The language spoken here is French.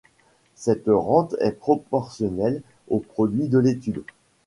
Cette rente est proportionnelle aux produits de l'étude.